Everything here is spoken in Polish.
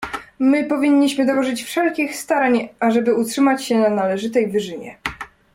"My powinniśmy dołożyć wszelkich starań, ażeby utrzymać się na należytej wyżynie."